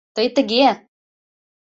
Тый тыге!